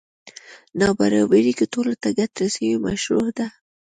نابرابري که ټولو ته ګټه رسوي مشروع ده.